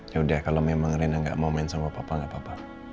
yaudah kalau memang rena gak mau main sama papa gak apa apa